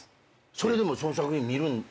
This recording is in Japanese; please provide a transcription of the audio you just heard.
それでもその作品見るんだ。